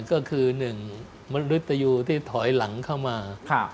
ก็คือ๑มนุษยูที่ถอยหลังเข้ามา